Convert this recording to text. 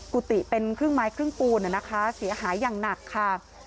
กุฏิเป็นครึ่งไม้ครึ่งปูนนะคะเสียหายอย่างหนักค่ะ